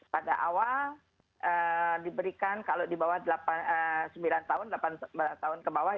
pada awal diberikan kalau di bawah sembilan tahun delapan tahun ke bawah